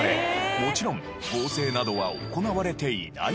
もちろん合成などは行われていない様子。